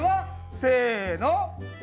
せの。